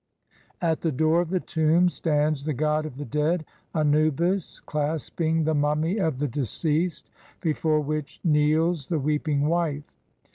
At the door of the tomb stands the god of the dead, Anubis, clasping the mummy of the deceased, before which kneels the weeping wife.